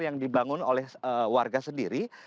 yang dibangun oleh warga sendiri